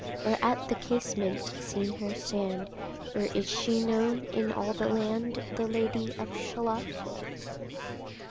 Or at the casement seen her stand? Or is she known in all the land, The Lady of Shalott?